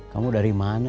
kamu dari mana